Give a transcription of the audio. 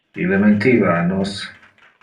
Ille mentiva a nos.